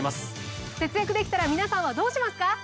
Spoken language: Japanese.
節約できたら皆さんはどうしますか？